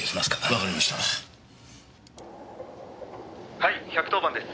「はい１１０番です。